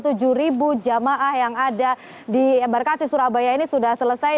artinya sekitar tujuh belas visa dari dua puluh tujuh jamaah yang ada di embarkasi surabaya ini sudah selesai